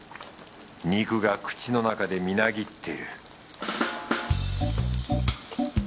肉が口の中でみなぎってる